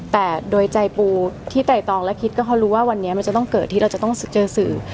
แต่โดยใจปูที่ไตรตองและคิดก็เพราะรู้ว่าวันนี้มันจะต้องเกิดที่เราจะต้องเจอสื่อ